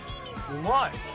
うまい。